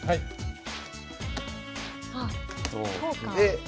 あっそうか。